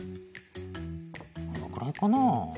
このくらいかな？